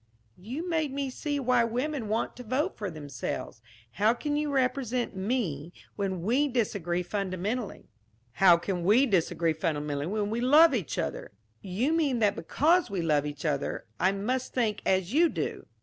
"You made me see why women want to vote for themselves. How can you represent me, when we disagree fundamentally?" "How can we disagree fundamentally when we love each other?" "You mean that because we love each other, I must think as you do?"